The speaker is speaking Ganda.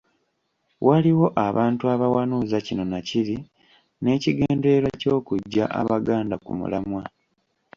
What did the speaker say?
Waliwo abantu abawanuuza kino nakiri n'ekigendererwa ky'okuggya Abaganda ku mulamwa.